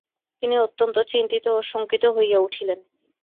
তিনি অত্যন্ত চিন্তিত ও শঙ্কিত হইয়া উঠিলেন।